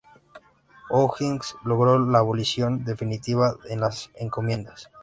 O'Higgins logró la abolición definitiva de las encomiendas.